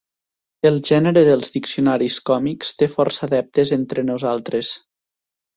El gènere dels diccionaris còmics té força adeptes entre nosaltres.